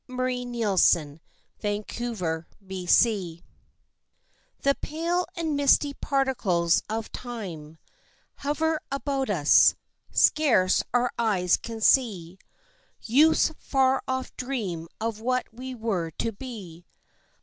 XXIII Aspiration I The pale and misty particles of Time Hover about us; scarce our eyes can see Youth's far off dream of what we were to be.